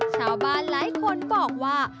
ชาวบ้านหลายคนบอกว่า